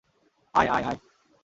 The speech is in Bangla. আয়, আয়, আয়!